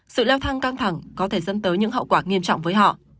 sự leo thang căng thẳng có thể dẫn tới những hậu quả nghiêm trọng với họ